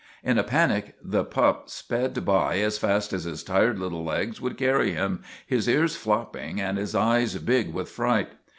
In a panic the pup sped by as fast as his tired little legs would carry him, his ears flopping and his eyes big with fright.